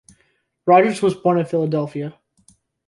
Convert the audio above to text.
Rogers was born at Philadelphia.